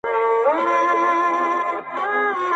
زه خو يې ډېر قدر كړم چي دا پكــــي مــوجـــوده وي,